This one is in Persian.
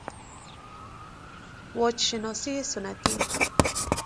واجشناسی سنتی